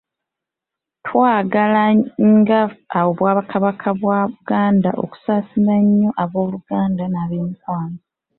Twagala nga Obwakabaka bwa Buganda okusaasira ennyo abooluganda nab’emikwano.